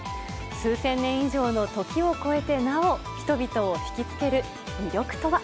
数千年以上の時を超えてなお、人々を引き付ける魅力とは。